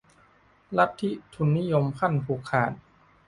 ลัทธิทุนนิยมขั้นผูกขาด